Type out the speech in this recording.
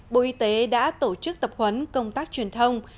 bộ y tế đã tổ chức tập huấn công tác truyền thông